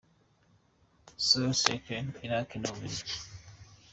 Soul Seekers - Iraq n’u Bubiligi.